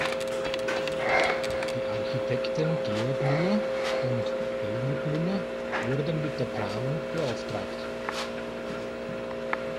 Die Architekten Georg Müller und Helmut Müller wurden mit der Planung beauftragt.